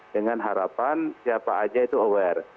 dengan harapan siapa aja itu aware